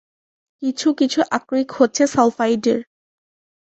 কিছু কিছু আকরিক হচ্ছে সালফাইডের।